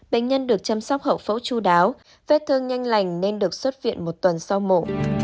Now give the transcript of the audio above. bệnh nhân được chăm sóc hậu phẫu chú đáo vết thương nhanh lành nên được xuất viện một tuần sau mổ